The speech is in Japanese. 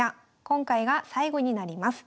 今回が最後になります。